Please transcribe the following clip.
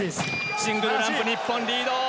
シングルランプ、日本、リード。